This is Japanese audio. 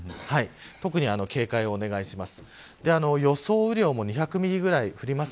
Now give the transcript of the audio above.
特に警戒をお願いします。